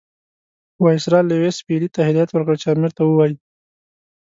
وایسرا لیویس پیلي ته هدایت ورکړ چې امیر ته ووایي.